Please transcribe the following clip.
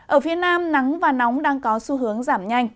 ở phía nam nắng và nóng đang có xu hướng giảm nhanh